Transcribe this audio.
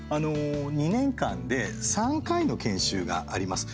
２年間で３回の研修があります。